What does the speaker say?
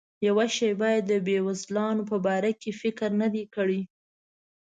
یوه شیبه یې د بېوزلانو په باره کې فکر نه دی کړی.